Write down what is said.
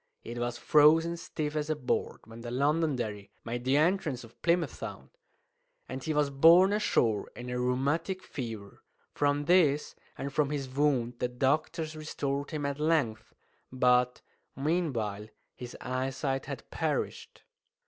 It was frozen stiff as a board when the Londonderry made the entrance of Plymouth Sound; and he was borne ashore in a rheumatic fever. From this, and from his wound, the doctors restored him at length, but meanwhile his eyesight had perished.